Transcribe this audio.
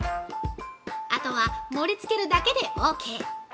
あとは盛り付けるだけでオーケー。